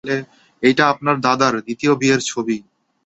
এইটা আপনার দাদার, দ্বিতীয় বিয়ের ছবি।